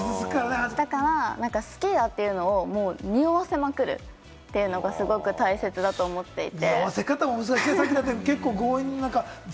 だから、好きだというのをにおわせまくるというのがすごく大切だと思っていて。